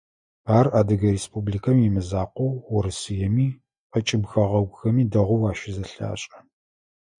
Ар Адыгэ Республикэм имызакъоу Урысыеми, ӏэкӏыб хэгъэгухэми дэгъоу ащызэлъашӏэ.